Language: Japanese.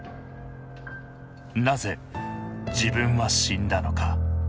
なぜ自分は死んだのか。